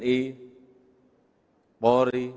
kemampuan yang harus diperlukan